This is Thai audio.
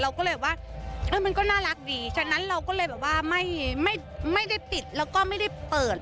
เราก็เลยแบบว่ามันก็น่ารักดีฉะนั้นเราก็เลยแบบว่าไม่ไม่ได้ปิดแล้วก็ไม่ได้เปิด